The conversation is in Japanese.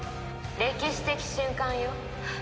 歴史的瞬間よ。